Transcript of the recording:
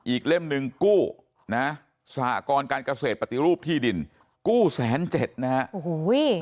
เล่มหนึ่งกู้นะสหกรการเกษตรปฏิรูปที่ดินกู้แสนเจ็ดนะฮะโอ้โห